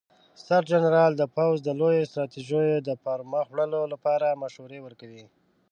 ستر جنرال د پوځ د لویو ستراتیژیو د پرمخ وړلو لپاره مشورې ورکوي.